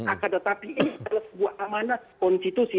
akan tetapi ini adalah sebuah amanat konstitusi